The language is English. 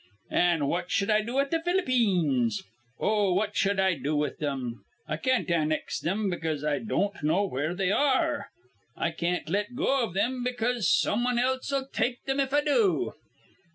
An' what shud I do with the Ph'lippeens? Oh, what shud I do with thim? I can't annex thim because I don't know where they ar re. I can't let go iv thim because some wan else'll take thim if I do.